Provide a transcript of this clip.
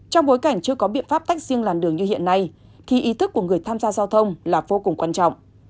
trong bối cảnh chưa có biện pháp tách riêng làn đường như hiện nay thì ý thức của người tham gia giao thông là vô cùng quan trọng